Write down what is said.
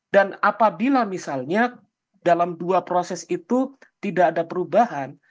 dan apabila misalnya dalam dua proses itu tidak ada perubahan